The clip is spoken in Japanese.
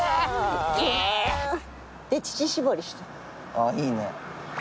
あっいいね。